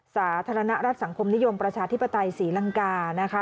สาธารณรัฐสังคมนิยมประชาธิปไตยศรีลังกานะคะ